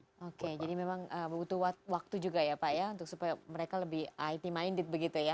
oke jadi memang butuh waktu juga ya pak ya untuk supaya mereka lebih it minded begitu ya